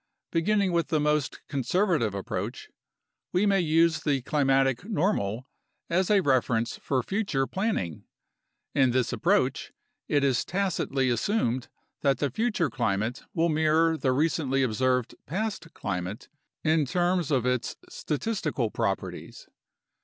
Beginning with the most conservative approach, we may use the climatic "normal" as a reference for future planning. In this approach, it is tacitly assumed that the future climate will mirror the recently observed past climate in terms of its statistical properties.